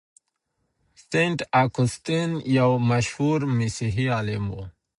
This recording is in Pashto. سينټ اګوستين يو مشهور مسيحي عالم و.